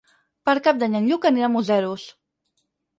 Per Cap d'Any en Lluc anirà a Museros.